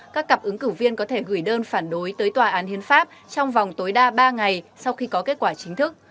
các cặp ứng cử viên có thể gửi đơn phản đối tới tòa án hiến pháp trong vòng tối đa ba ngày sau khi có kết quả chính thức